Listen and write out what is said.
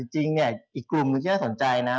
จริงเนี่ยอีกกลุ่มหนึ่งที่น่าสนใจนะ